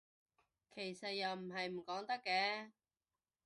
其實又唔係唔講得嘅